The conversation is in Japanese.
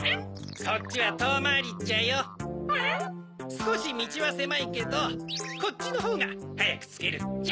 すこしみちはせまいけどこっちのほうがはやくつけるっちゃ。